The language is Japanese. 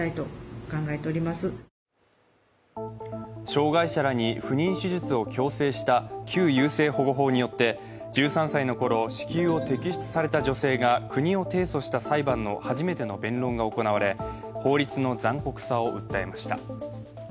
障害者らに不妊手術を強制した旧優生保護法によって１３歳のころ子宮を摘出された女性が、国を提訴した裁判の初めての弁論が行われ、法律の残酷さを訴えました。